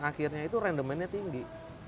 akhirnya itu random man nya tinggi